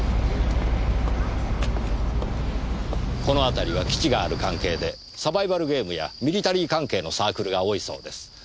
この辺りは基地がある関係でサバイバルゲームやミリタリー関係のサークルが多いそうです。